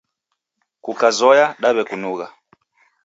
Kukazoya, daw'ekunugha